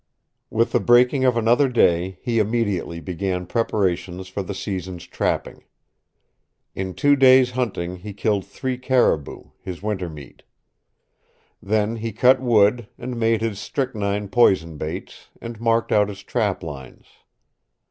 With the breaking of another day he immediately began preparations for the season's trapping. In two days' hunting he killed three caribou, his winter meat. Then he cut wood, and made his strychnine poison baits, and marked out his trap lines.